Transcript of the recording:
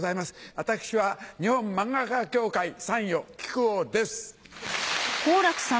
私は日本漫画家協会参与木久扇です。